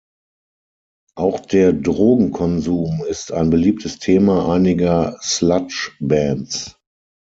Auch der Drogenkonsum ist ein beliebtes Thema einiger Sludge-Bands.